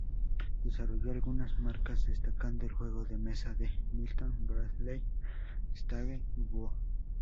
Desarrolló algunas marcas, destacando el juego de mesa de Milton Bradley, Stage Two.